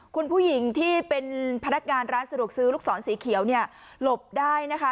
คุณผู้หญิงที่เป็นพนักงานร้านสะดวกซื้อลูกศรสีเขียวเนี่ยหลบได้นะคะ